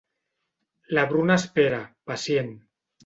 La Bruna espera, pacient.